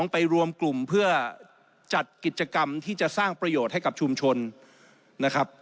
ไปรวมกลุ่มเพื่อจัดกิจกรรมที่จะสร้างประโยชน์ให้กับชุมชนนะครับ